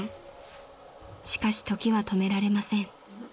［しかし時は止められません］